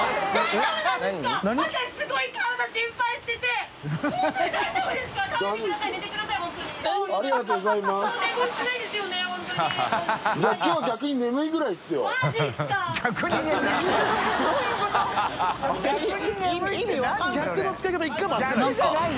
田渕）「逆」の使い方１回も合ってない。